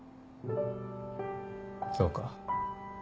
そうか。